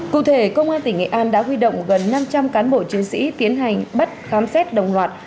cụ thể công an tỉnh nghệ an đã huy động gần năm trăm linh cán bộ chiến sĩ tiến hành bắt khám xét đồng loạt